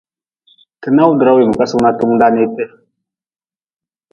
Ti nawdra weem kasug na tung da nii ti.